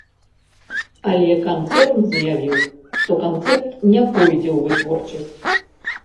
Але канцэрн заявіў, што канцэпт не пойдзе ў вытворчасць.